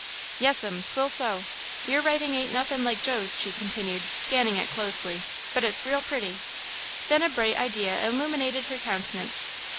"Yes'm. 'Twill so. Your writin' ain't nothin' like Joe's," she continued, scanning it closely, "but it's real pretty." Then a bright idea illuminated her countenance.